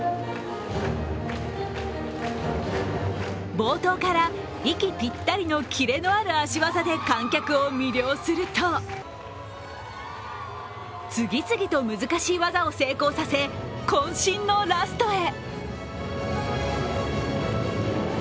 冒頭から息ぴったりのキレのある足技で観客を魅了すると次々と難しい技を成功させこん身のラストへ。